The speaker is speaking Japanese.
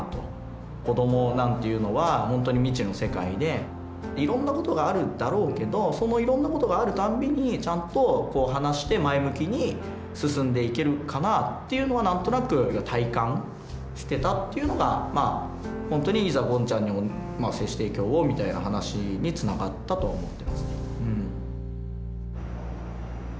子どもなんていうのは本当に未知の世界でいろんなことがあるだろうけどそのいろんなことがあるたんびにちゃんと話して前向きに進んでいけるかなっていうのは何となく体感してたっていうのが本当にいざゴンちゃんに精子提供をみたいな話につながったと思ってますね。